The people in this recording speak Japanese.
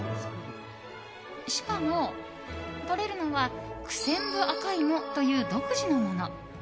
しかも、とれるのは九千部朱薯という独自のもの。